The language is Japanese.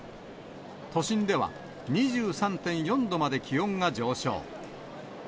都心では、２３．４度まで気温が上昇。